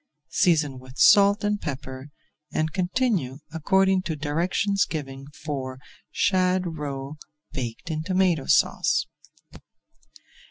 Season with salt [Page 344] and pepper and continue according to directions given for Shad Roe Baked in Tomato Sauce.